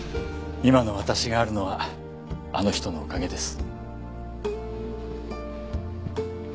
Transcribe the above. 今の私があるのはあの人のおかげです。